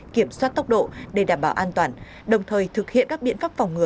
kiểm soát tốc độ để đảm bảo an toàn đồng thời thực hiện các biện pháp phòng ngừa